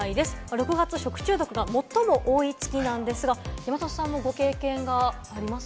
６月、食中毒が最も多い月なんですが、山里さん、ご経験がありますか？